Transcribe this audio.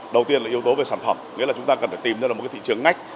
đầu tiên là yếu tố về sản phẩm nghĩa là chúng ta cần phải tìm ra được một thị trường ngách